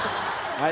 はい。